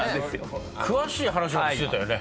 詳しい話もしてたよね。